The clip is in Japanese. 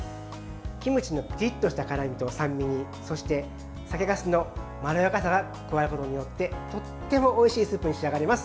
キムチのピリッとした辛みと酸味にそして、酒かすのまろやかさが加わることによってとってもおいしいスープに仕上がります。